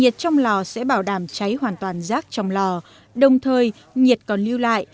trong lò sẽ bảo đảm cháy hoàn toàn giác trong lò đồng thời nhiệt còn lưu lại